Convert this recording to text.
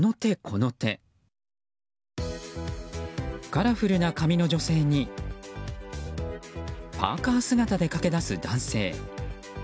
カラフルな髪の女性にパーカ姿で駆け出す男性。